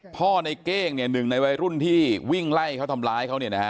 พ่อในเก้งหนึ่งในวัยรุ่นที่วิ่งไล่เขาทำร้ายเขา